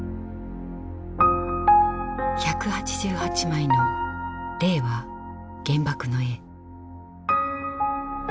１８８枚の「令和原爆の絵」。